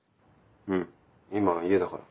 うん。今家だから。